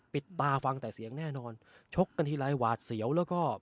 ปิดตาฟังแต่เสียงแน่นอนชกกันทีไรหวาดเสียวแล้วก็